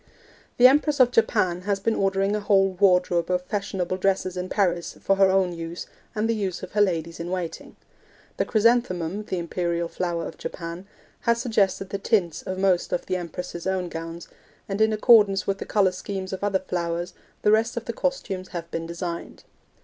The Empress of Japan has been ordering a whole wardrobe of fashionable dresses in Paris for her own use and the use of her ladies in waiting. The chrysanthemum (the imperial flower of Japan) has suggested the tints of most of the Empress's own gowns, and in accordance with the colour schemes of other flowers the rest of the costumes have been designed.